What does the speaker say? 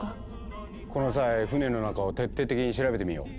この際船の中を徹底的に調べてみよう。